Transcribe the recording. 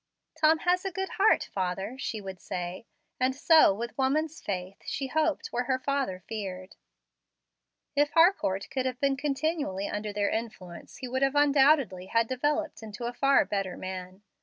"Tom has a good heart, father," she would say; and so, with woman's faith, she hoped where her father feared. If Harcourt could have been continually under their influence he would undoubtedly have developed into a far better man.